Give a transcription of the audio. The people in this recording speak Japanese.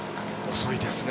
遅いですね。